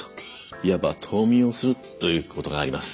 いわば冬眠をするということがあります。